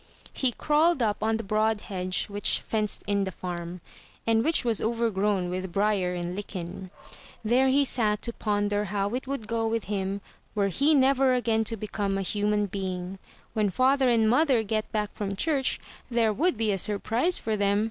He crawled up on the broad hedge which fenced in the farm, and which was overgrown with brier and lichen. There he sat to ponder how it would go with him were he never again to become a himian being. When father and mother get back from church, there would be a surprise for them.